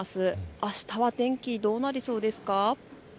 あしたは天気、どうなりそうですか。